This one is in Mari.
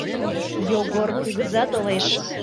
Йогор кугыза толеш.